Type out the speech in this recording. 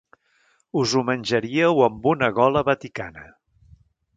Us ho menjaríeu amb una gola vaticana.